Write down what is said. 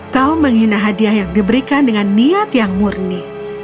kau menghina hadiah yang diberikan dengan niat yang murni